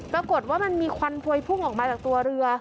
ปรากฏว่ามันมีควันพวยพุ่งออกมาจากตัวเรือ